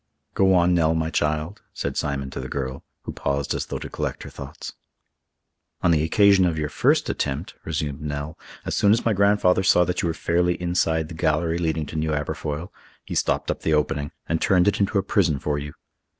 "Go on, Nell, my child," said Simon to the girl, who paused as though to collect her thoughts. "On the occasion of your first attempt," resumed Nell, "as soon as my grandfather saw that you were fairly inside the gallery leading to New Aberfoyle, he stopped up the opening, and turned it into a prison for you.